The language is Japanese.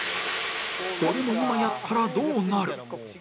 これも今やったらどうなる？